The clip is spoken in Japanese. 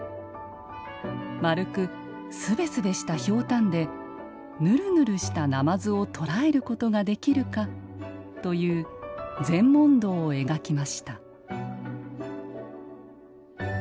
「丸くスベスベしたひょうたんでヌルヌルしたナマズを捕らえることができるか」という禅問答を描きました